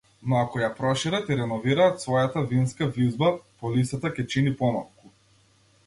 Но ако ја прошират и реновираат својата винска визба, полисата ќе чини помалку.